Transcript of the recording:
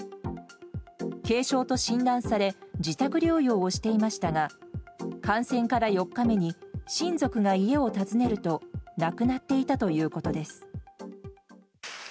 軽症と診断され、自宅療養をしていましたが、感染から４日目に親族が家を訪ねると、亡くなっていたということです。